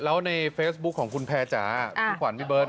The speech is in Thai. แล้วในเฟซบุ๊คของคุณแพร่จ๋าพี่ขวัญพี่เบิร์ต